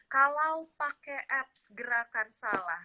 kalau pakai apps gerakan salah